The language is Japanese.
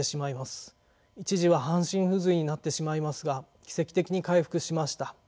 一時は半身不随になってしまいますが奇跡的に回復しました。